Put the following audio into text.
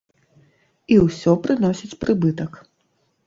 І ўсё прыносіць прыбытак.